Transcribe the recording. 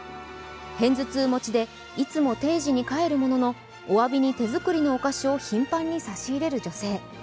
偏頭痛持ちでいつも定時に帰るもののおわびに手作りのお菓子を頻繁に差し入れる女性。